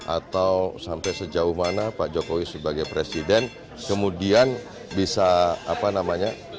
atau sampai sejauh mana pak jokowi sebagai presiden kemudian bisa apa namanya